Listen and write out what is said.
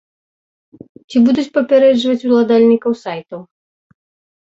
Ці будуць папярэджваць уладальнікаў сайтаў?